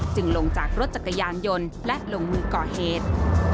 ลงจากรถจักรยานยนต์และลงมือก่อเหตุ